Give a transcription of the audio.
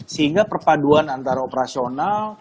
sehingga perpaduan antara operasional